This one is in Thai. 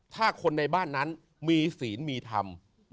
ถ้าคนในบ้านนั้นมีศีลมีธรรม